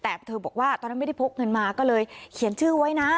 แต่เธอบอกว่าตอนนั้นไม่ได้พกเงินมาก็เลยเขียนชื่อไว้นะ